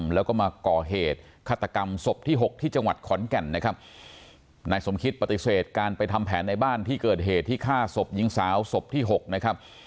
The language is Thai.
แล้วก็มาก่อเหตุฆาตกรรมศพที่๖ที่จังหวัดขอนแก่นนะครับนายสมคิดปฏิเสธการไปทำแผนในบ้านที่เกิดเหตุที่ฆ่าศพหญิงสาวศพที่๖นะครับ